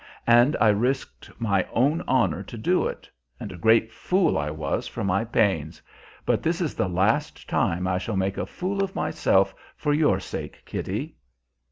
And I risked my own honor to do it, and a great fool I was for my pains. But this is the last time I shall make a fool of myself for your sake, Kitty."